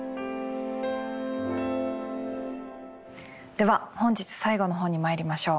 では本日最後の本にまいりましょう。